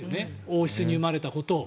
王室に生まれたことを。